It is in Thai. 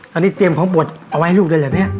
ตอนนี้เตรียมของบทเอาไว้ลูกเลยเหรอเนี่ย